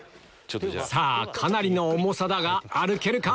さぁかなりの重さだが歩けるか？